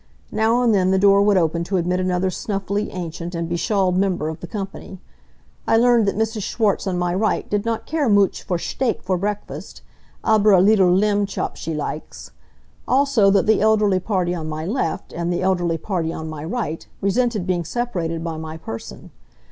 Now and then the door would open to admit another snuffly, ancient, and be shawled member of the company. I learned that Mrs. Schwartz, on my right, did not care mooch for shteak for breakfast, aber a leedle l'mb ch'p she likes. Also that the elderly party on my left and the elderly party on my right resented being separated by my person.